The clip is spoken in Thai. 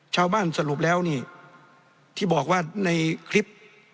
สรุปแล้วนี่ที่บอกว่าในคลิป